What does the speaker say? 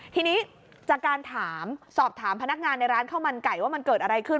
ทีนี้จากการถามสอบถามพนักงานในร้านข้าวมันไก่ว่ามันเกิดอะไรขึ้น